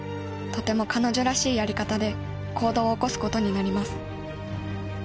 とても彼女らしいやり方で行動を起こすことになります。